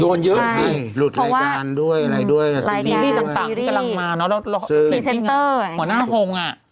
โดนเยอะกินแต่ลูกรายการด้วยซีรี่ส์ต้างทั้งกำลังมาหัวหน้าโฮงอ่ะ